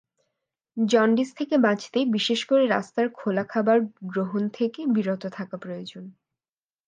Jaundice থেকে বাঁচতে বিশেষ করে রাস্তার খোলা খাবার গ্রহণ থেকে বিরত থাকা প্রয়োজন।